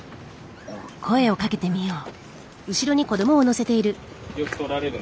声をかけてみよう。